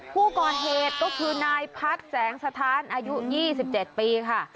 ผู้ก่อเหตุก็คือนายพัฒน์แสงสถานอายุ๒๗ปีค่ะ